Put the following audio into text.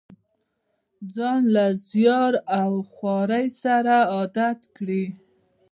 ځان له زیار او خوارۍ سره عادت کړي.